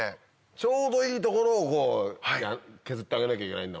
ちょうどいい所を削ってあげなきゃいけない。